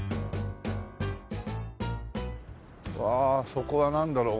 そこはなんだろう？